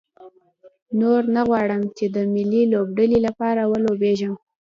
نور نه غواړم چې د ملي لوبډلې لپاره ولوبېږم.